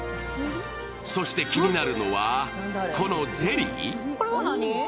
そして気になるのは、このゼリー？